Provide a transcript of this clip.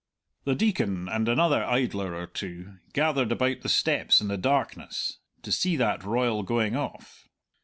The Deacon and another idler or two gathered about the steps in the darkness, to see that royal going off.